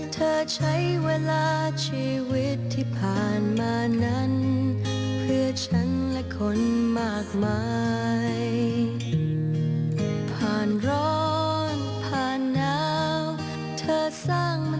ที่เสียสลัดเวลามานะครับในวิธีชาวเป็นน่าคิดของคุณพ่อนะครับ